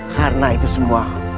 karena itu semua